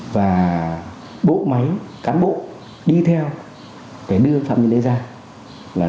và bộ máy cán bộ đi theo để đưa phạm nhân đấy ra